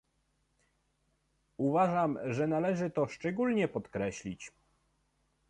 Uważam, że należy to szczególnie podkreślić